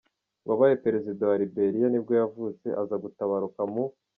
wabaye perezida wa wa Liberia nibwo yavutse, azagutabaruka mu .